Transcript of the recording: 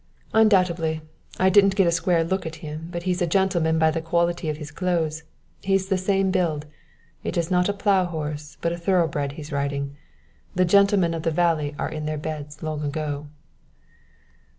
"Undoubtedly. I didn't get a square look at him, but he's a gentleman by the quality of his clothes. He is the same build; it is not a plow horse, but a thoroughbred he's riding. The gentlemen of the valley are in their beds long ago."